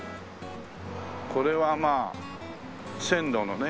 これはまあ線路のね